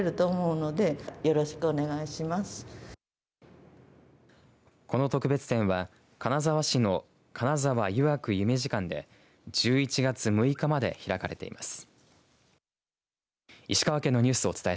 この特別展は金沢市の金沢湯涌夢二館で１１月６日まで開かれています。